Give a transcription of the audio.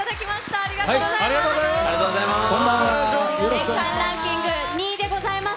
ありがとうございます。